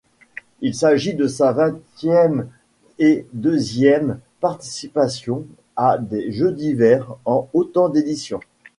Il s'agit de sa vingtième-et-deuxième participation à des Jeux d'hiver en autant d'édition.